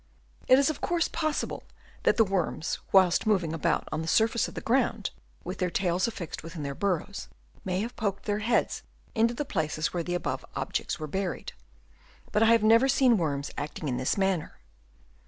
It is of course possible that the worms whilst moving about on the surface of the ground, with their tails affixed within their burrows, may have poked their heads into the places where the above objects were buried ; but I have never seen worms acting in this manner.